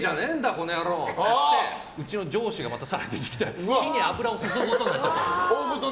この野郎！って言ってうちの上司がまた更に出てきて火に油を注ぐことになっちゃったんです。